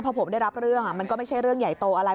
พอผมได้รับเรื่องมันก็ไม่ใช่เรื่องใหญ่โตอะไร